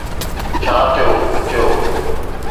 ڇا ٿيو، ٿيو.